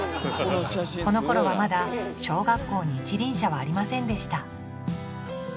このころはまだ小学校に一輪車はありませんでした